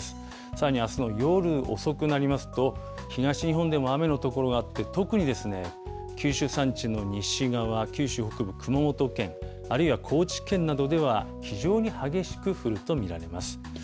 さらにあすの夜遅くなりますと、東日本でも雨の所があって、特に九州山地の西側、九州北部、熊本県、あるいは高知県などでは、非常に激しく降ると見られます。